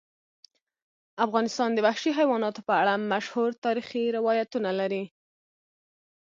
افغانستان د وحشي حیواناتو په اړه مشهور تاریخی روایتونه لري.